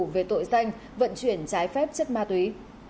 về tội danh vận chuyển trái phép chất ma túy